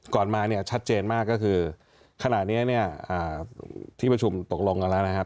มาเนี่ยชัดเจนมากก็คือขณะนี้เนี่ยที่ประชุมตกลงกันแล้วนะครับ